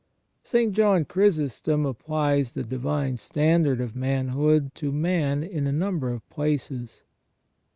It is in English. * St. John Chrysostom applies the divine standard of manhood to man in a number of places.